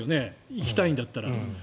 行きたいんだったら。